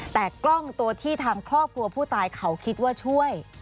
แต่กล้องตัวที่ทางครอบครัวผู้ตายเขาคิดว่าช่วย